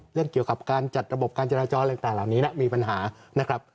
เรื่องเกี่ยวกับการจัดระบบการจราจรอะไรต่างเหล่านี้มีปัญหานะครับ